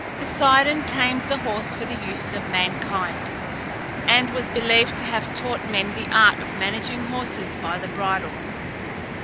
Poseidon tamed the horse for the use of mankind, and was believed to have taught men the art of managing horses by the bridle.